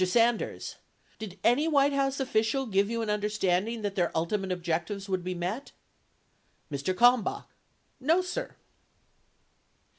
Sanders. Did any White House official give you an understanding that their ultimate objectives would be met? Mr. Kalmbach. No, sir.